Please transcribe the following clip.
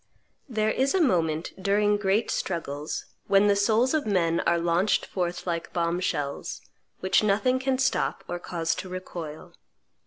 There is a moment, during great struggles, when the souls of men are launched forth like bomb shells, which nothing can stop or cause to recoil.